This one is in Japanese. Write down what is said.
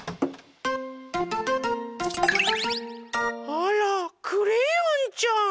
あらクレヨンちゃん。